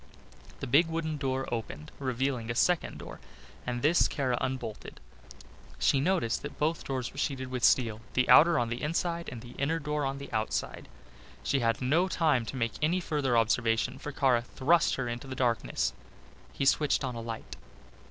The big wooden door opened, revealing a second door and this Kara unbolted. She noticed that both doors were sheeted with steel, the outer on the inside, and the inner door on the outside. She had no time to make any further observations for Kara thrust her into the darkness. He switched on a light.